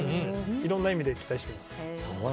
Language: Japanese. いろんな意味で期待してます。